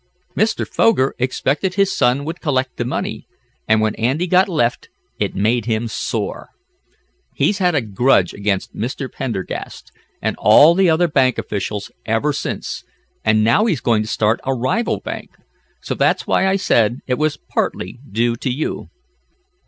Mr. Foger expected his son would collect the money, and when Andy got left, it made him sore. He's had a grudge against Mr. Pendergast, and all the other bank officials ever since, and now he's going to start a rival bank. So that's why I said it was partly due to you."